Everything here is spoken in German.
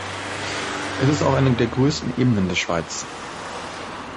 Es ist auch eine der grössten Ebenen der Schweiz.